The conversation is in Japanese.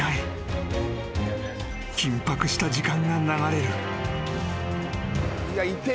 ［緊迫した時間が流れる］